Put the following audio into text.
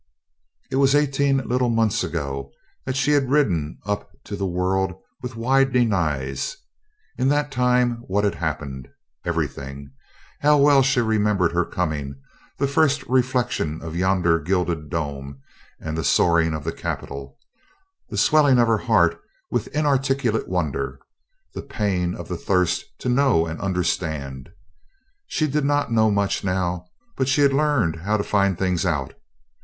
It was eighteen little months ago that she had ridden up to the world with widening eyes. In that time what had happened? Everything. How well she remembered her coming, the first reflection of yonder gilded dome and the soaring of the capitol; the swelling of her heart, with inarticulate wonder; the pain of the thirst to know and understand. She did not know much now but she had learned how to find things out.